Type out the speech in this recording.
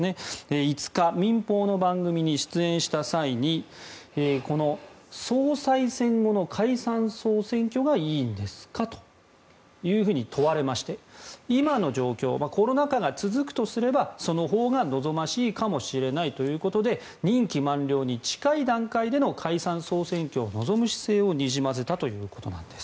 ５日、民放の番組に出演した際にこの総裁選後の解散・総選挙がいいんですかというふうに問われまして、今の状況コロナ禍が続くとすればそのほうが望ましいかもしれないということで任期満了に近い段階での解散・総選挙を臨む姿勢をにじませたということです。